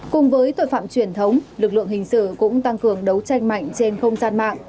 cùng với tội phạm truyền thống lực lượng hình sự cũng tăng cường đấu tranh mạnh trên không gian mạng